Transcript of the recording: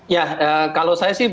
ya kalau saya sih